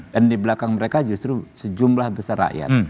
dan di belakang mereka justru sejumlah besar rakyat